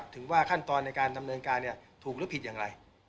ถึงว่าขั้นตอนในการดำเนินการถูกหรือผิดอย่างไร